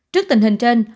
trước tình hình trên